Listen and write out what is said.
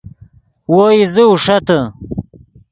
وو ایزے اوݰتے